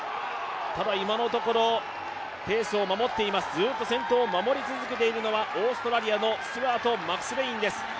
ただ、今のところペースを守っています、ずーっと先頭を守り続けているのは、オーストラリアのスチュアート・マクスウェインです。